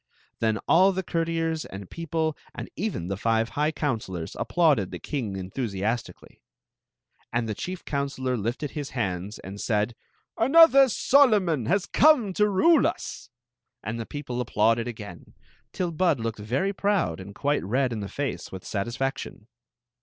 Then all the courtiers and people — and even the five high counselors — applauded the king enthusi astically ; and the chief counselor lifted up his hands and said :" Another Solomon has come to rule us !" And the people applauded again, till Bud looked very proud and quite red in the face with satisfection.